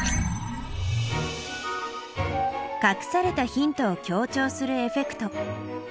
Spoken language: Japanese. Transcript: かくされたヒントを強調するエフェクト。